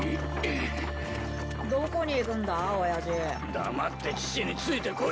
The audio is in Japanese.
黙って父についてこい。